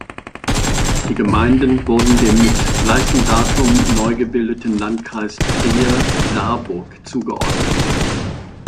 Die Gemeinden wurden dem mit gleichem Datum neu gebildeten Landkreis Trier-Saarburg zugeordnet.